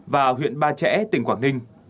và huyện ba trẻ tỉnh quảng ninh